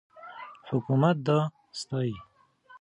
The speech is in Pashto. حکومت دا ستایي.